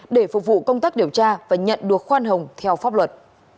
để phục vụ công tác điều tra và nhận được khoan hồng theo pháp luật